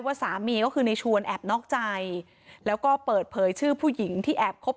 สามีก็คือในชวนแอบนอกใจแล้วก็เปิดเผยชื่อผู้หญิงที่แอบคบ